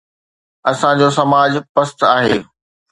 اسان جو سماج پست آهي.